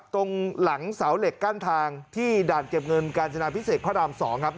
ตรงหลังเสาเหล็กกั้นทางที่ด่านเก็บเงินกาญจนาพิเศษพระราม๒ครับ